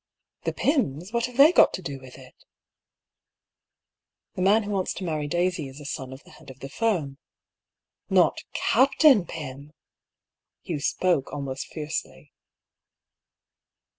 " The Pyms ! What have they got to do with it ?"'' The man who wants to marry Daisy is a son of the head of the firm." " Not Captain Pym ?" Hugh spoke almost fiercely.